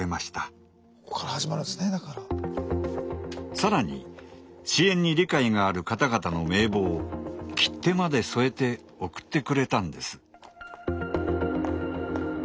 さらに支援に理解がある方々の名簿を切手まで添えて送ってくれたんです。